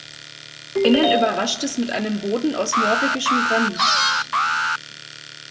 Innen überrascht es mit einem Boden aus norwegischem Granit.